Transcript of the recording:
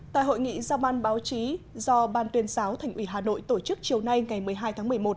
tại hội nghị giao ban báo chí do ban tuyên giáo thành ủy hà nội tổ chức chiều nay ngày một mươi hai tháng một mươi một